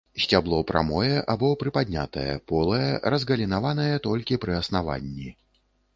Сцябло прамое або прыпаднятае, полае, разгалінаванае толькі пры аснаванні.